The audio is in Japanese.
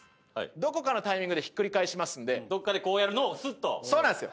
どこかのタイミングでひっくり返しますんでどっかでこうやるのをスッとそうなんですよ